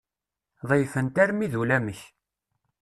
Ḍeyyfen-t armi d ulamek.